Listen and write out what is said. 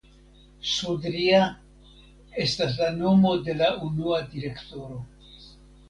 Sudria estas la nomo de la unua direktoro.